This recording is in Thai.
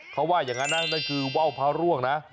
เขาว่าอย่างนั้นนะนั่นคือว่าวพระร่วงนะ